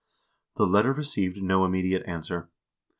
The letter received no immediate answer.